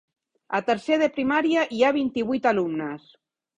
A tercer de primària hi ha vint-i-vuit alumnes.